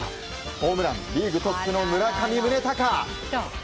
ホームランリーグトップの村上宗隆。